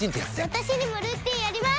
私にもルーティンあります！